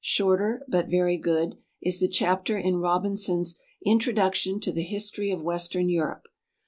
Shorter, but very good, is the chapter in Robinson's "Introduction to the History of Western Europe."